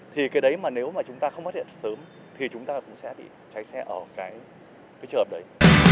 thì cái đấy mà nếu mà chúng ta không có hiện sớm thì chúng ta cũng sẽ bị cháy xe ở cái chợp đấy